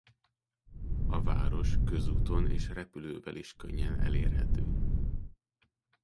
A város közúton és repülővel is könnyen elérhető.